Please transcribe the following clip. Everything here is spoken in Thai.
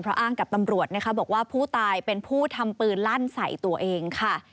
เพราะอ้างกับตำรวจนะคะบอกว่าผู้ตายเป็นผู้ทำปืนลั่นใส่ตัวเองค่ะ